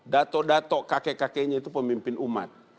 dato dato kakek kakeknya itu pemimpin umat